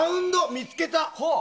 見つけた！